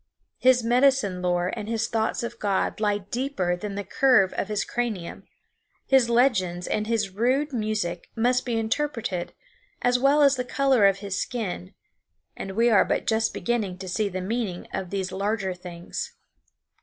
His medicine lore and his thoughts of God lie deeper than the curve of his cranium; his legends and his rude music must be interpreted, as well as the color of his skin, and we are but just beginning to see the meaning of these larger things.